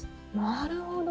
なるほど。